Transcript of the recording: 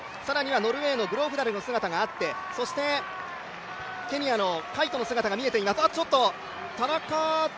更にノルウェーのグローフダルの姿があってそしてケニアのカイトの姿も見えています。